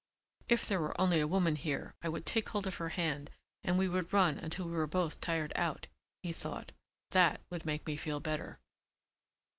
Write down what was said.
"If there were only a woman here I would take hold of her hand and we would run until we were both tired out," he thought. "That would make me feel better."